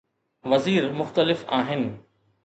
وزير مختلف آهن.